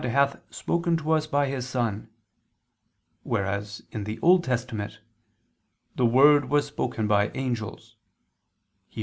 . hath spoken to us by His Son," whereas in the Old Testament "the word was spoken by angels" (Heb.